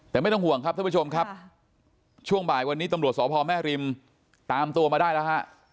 แต่ไม่ต้องห่วงครับท่านผู้ชมครับช่วงบ่ายวันนี้ตำรวจสพแม่ริมตามตัวมาได้แล้วฮะ